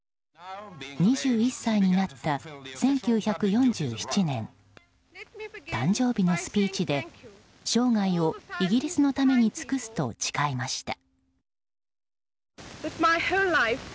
２１歳になった１９４７年誕生日のスピーチで生涯をイギリスのために尽くすと誓いました。